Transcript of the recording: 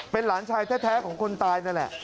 เป็นหลานชายแท้ของคนตายนั่นแหละ